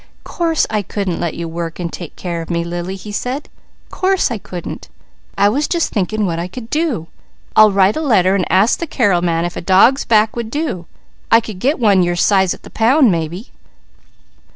"Course I couldn't let you work and take care of me, Lily," he said. "Course I couldn't! I was just thinking what I could do. I'll write a letter and ask the Carrel man if a dog's back would do. I could get one your size at the pound, maybe."